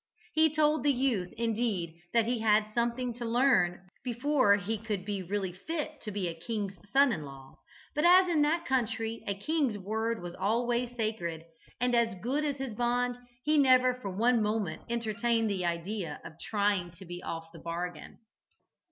He told the youth, indeed, that he had something to learn, before he could be really fit to be a king's son in law, but as in that country a king's word was always sacred, and as good as his bond, he never for one moment entertained the idea of trying to be off the bargain.